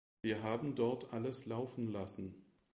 Wir haben dort alles laufen lassen.